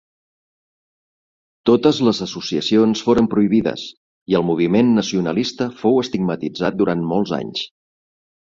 Totes les associacions foren prohibides i el moviment nacionalista fou estigmatitzat durant molts anys.